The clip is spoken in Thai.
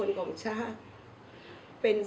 แล้วบอกว่าไม่รู้นะ